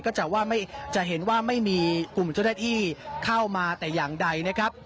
ว่าจะเห็นว่าไม่มีกลุ่มเจ้าหน้าที่เข้ามาแต่อย่างใดนะครับ